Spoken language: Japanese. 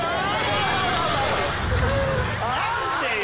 何でよ